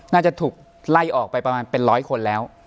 น่าจะถูกไล่ออกไปประมาณเป็นร้อยคนแล้ว